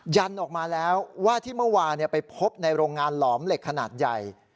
ยันออกมาแล้วว่าที่เมื่อวานไปพบในโรงงานหลอมเหล็กขนาดใหญ่